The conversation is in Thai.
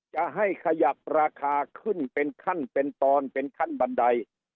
จะให้ขยับราคาขึ้นเป็นขั้นเป็นตอนเป็นขั้นบันได